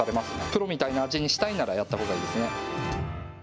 プロみたいな味にしたいならやったほうがいいですね。